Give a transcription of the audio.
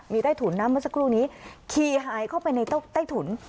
มีใต้ถุนนะเมื่อสักครู่นี้ขี่หายเข้าไปในใต้ถุน